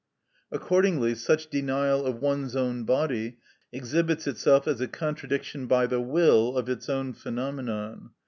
Accordingly such denial of one's own body exhibits itself as a contradiction by the will of its own phenomenon.